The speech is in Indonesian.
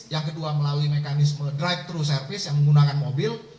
yang kedua melalui mekanisme drive thru service yang menggunakan mobil